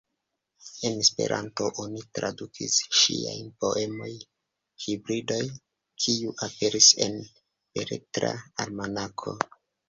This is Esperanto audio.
En Esperanto oni tradukis ŝian poemon "Hibridoj", kiu aperis en Beletra Almanako.